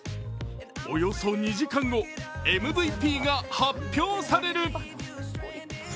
およそ２時間後、ＭＶＰが発表される！